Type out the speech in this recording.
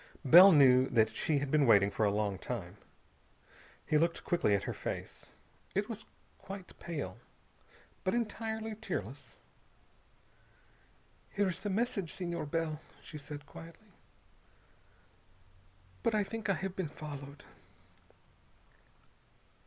Bell knew that she had been waiting for a long time. He looked quickly at her face. It was quite pale, but entirely tearless. "Here is the message, Senhor Bell," she said quietly, "but I think I have been followed."